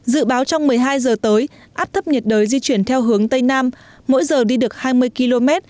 dự báo trong một mươi hai giờ tới áp thấp nhiệt đới di chuyển theo hướng tây nam mỗi giờ đi được hai mươi km